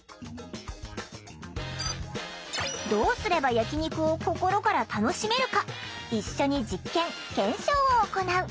どうすれば焼き肉を心から楽しめるか一緒に実験・検証を行う。